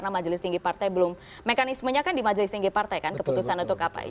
nama majelis tinggi partai belum mekanismenya kan di majelis tinggi partai kan keputusan untuk kpi